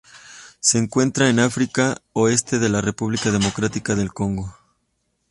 Se encuentran en África: oeste de la República Democrática del Congo.